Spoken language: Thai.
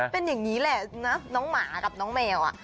เป็นอย่างนี้แหละนะน้องหมากับน้องแมว